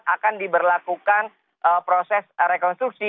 akan diberlakukan proses rekonstruksi